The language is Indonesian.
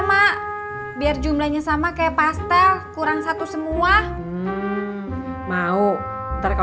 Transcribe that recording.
mak biar jumlahnya sama kayak pastel kurang satu semua mau taruh yang mesin barang juga